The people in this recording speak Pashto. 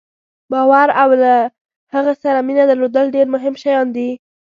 باور او له هغه سره مینه درلودل ډېر مهم شیان دي.